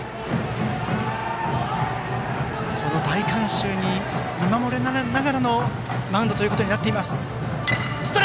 この大観衆に見守られながらのマウンドとなっています。